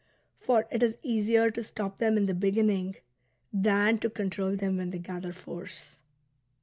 For it is easier to stop them in the beginning than to control them when they gather force.